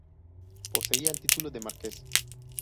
Poseía el título de Marques.